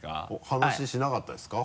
話しなかったですか？